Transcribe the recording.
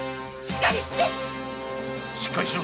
しっかりしろ。